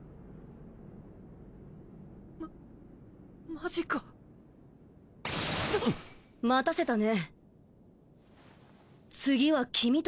ママジか待たせたね